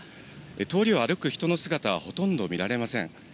通りを歩く人の姿はほとんど見られません。